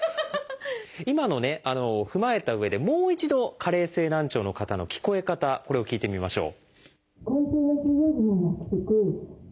今のを踏まえたうえでもう一度加齢性難聴の方の聞こえ方これを聞いてみましょう。